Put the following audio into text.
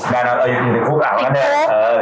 แล้วโลงการ์